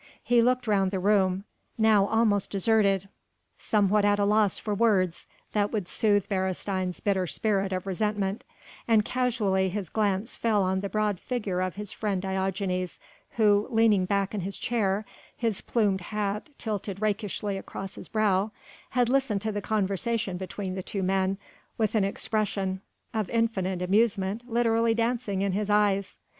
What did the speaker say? He looked round the room now almost deserted somewhat at a loss for words that would soothe Beresteyn's bitter spirit of resentment, and casually his glance fell on the broad figure of his friend Diogenes, who, leaning back in his chair, his plumed hat tilted rakishly across his brow, had listened to the conversation between the two men with an expression of infinite amusement literally dancing in his eyes.